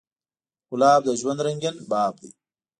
ګلاب د ژوند رنګین باب دی.